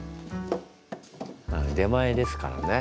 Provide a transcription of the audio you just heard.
出前ですからね。